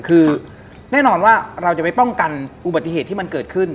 คือแน่นอนว่าเราจะไปป้องกันอุบัติเหตุที่มันเกิดขึ้น